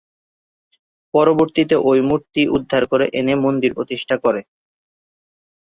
পরবর্তীতে ঐ মূর্তি উদ্ধার করে এনে মন্দির প্রতিষ্ঠা করে।